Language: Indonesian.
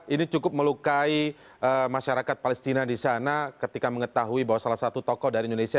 ini cukup melukai masyarakat palestina di sana ketika mengetahui bahwa salah satu tokoh dari indonesia